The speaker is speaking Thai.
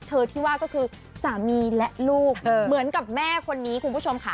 ที่ว่าก็คือสามีและลูกเหมือนกับแม่คนนี้คุณผู้ชมค่ะ